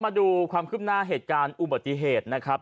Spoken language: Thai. มาดูความคืบหน้าเหตุการณ์อุบัติเหตุนะครับ